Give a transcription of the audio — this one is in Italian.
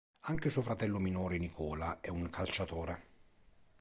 Anche suo fratello minore Nicola è un calciatore.